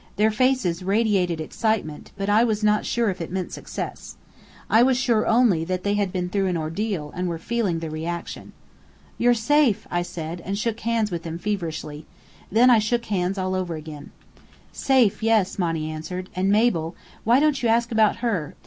Their faces radiated excitement, but I was not sure if it meant success. I was sure only that they had been through an ordeal and were feeling the reaction. "You're safe!" I said, and shook hands with them feverishly. Then I shook hands all over again. "Safe, yes," Monny answered. "And Mabel why don't you ask about her?